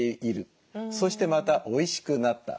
そしてまたおいしくなった。